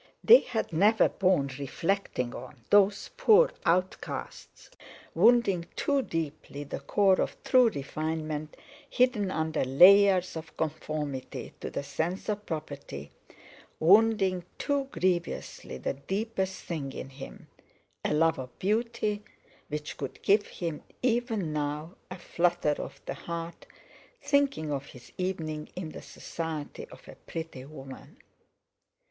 They had never borne reflecting on, those poor outcasts; wounding too deeply the core of true refinement hidden under layers of conformity to the sense of property—wounding too grievously the deepest thing in him—a love of beauty which could give him, even now, a flutter of the heart, thinking of his evening in the society of a pretty woman.